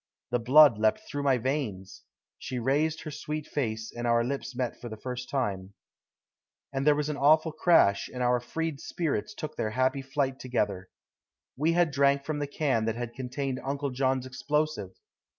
The blood leaped through my veins. She raised her sweet face and our lips met for the first time. "There was an awful crash, and our freed spirits took their happy flight together. We had drank from the can that had contained Uncle John's explosive.